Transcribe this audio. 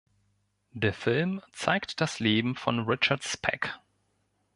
Der Film zeigt das Leben von Richard Speck.